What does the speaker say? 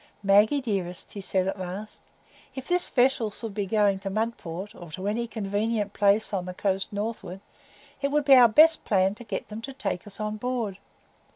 "Maggie, dearest," he said at last, "if this vessel should be going to Mudport, or to any convenient place on the coast northward, it would be our best plan to get them to take us on board.